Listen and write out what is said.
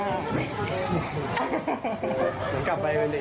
เหมือนกลับไปวันเด็ก